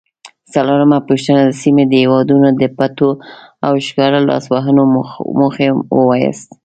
څلورمه پوښتنه: د سیمې د هیوادونو د پټو او ښکاره لاسوهنو موخې ووایاست؟